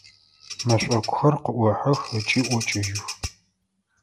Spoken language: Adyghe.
Мэшӏокухэр къыӏохьэх ыкӏи ӏокӏыжьых.